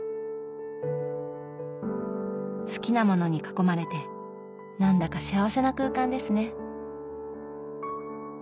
好きなものに囲まれてなんだか幸せな空間ですね。